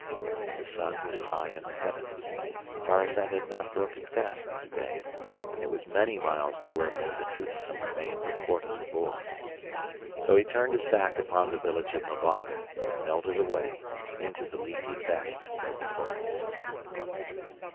The sun was high in the heavens. Tarzan had not broken fast this day, and it was many miles to where lay the toothsome remains of Horta the boar. So he turned his back upon the village of Mbonga and melted away into the leafy fastness of the forest.